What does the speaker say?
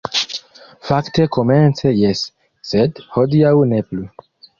Fakte komence jes, sed hodiaŭ ne plu.